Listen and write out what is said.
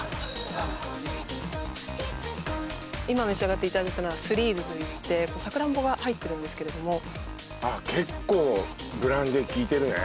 今召し上がっていただいたのはスリーズといってさくらんぼが入ってるんですけれどもあっ結構ブランデーきいてるね